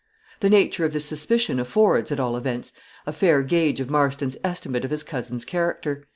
The nature of this suspicion affords, at all events, a fair gauge of Marston's estimate of his cousin's character.